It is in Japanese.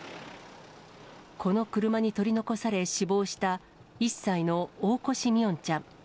この車に取り残され、死亡した、１歳の大越三櫻音ちゃん。